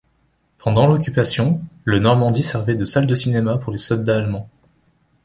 Pendant l'Occupation, le Normandie servait de salle de cinéma pour les soldats allemands.